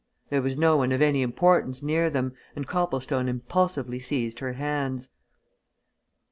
There was no one of any importance near them and Copplestone impulsively seized her hands.